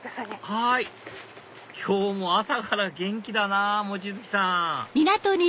はい今日も朝から元気だなぁ望月さん